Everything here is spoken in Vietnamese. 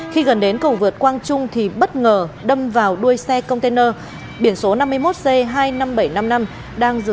khi gần đến cầu vượt quang trung thì bất ngờ đâm vào đuôi xe container